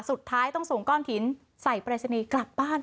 สุดท้ายต้องส่งก้อนหินใส่ปรายศนีย์กลับบ้าน